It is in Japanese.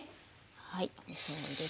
はいおみそを入れて。